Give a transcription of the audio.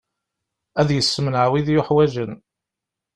Ad yessemneɛ wid yuḥwaǧen.